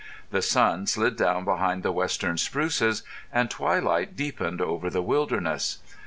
The sun slid down behind the western spruces and twilight deepened over the wilderness.